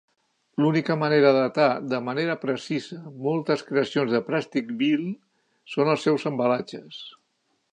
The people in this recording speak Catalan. L'única manera de datar de manera precisa moltes creacions de Plasticville són els seus embalatges.